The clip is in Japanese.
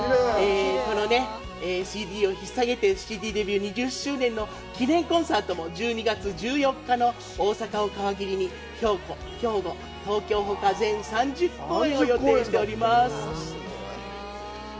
このＣＤをひっさげて、ＣＤデビュー２０周年の記念コンサートも１２月１４日の大阪を皮切りに、兵庫、東京ほか全３０公演を予定しております。